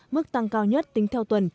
mức tăng cao nhất tính theo tuần